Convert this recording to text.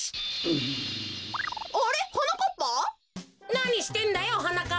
なにしてんだよはなかっぱ。